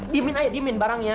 diamin aja diamin barangnya